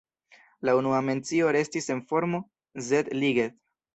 La unua mencio restis en formo "Zeg-Ligeth".